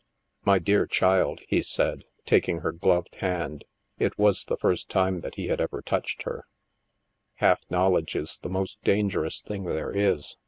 " My dear child," he said, taking her gloved hand (it was the first time that he had ever touched her), " half knowledge is the most dangerous thing there is.